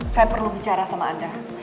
saya perlu bicara sama anda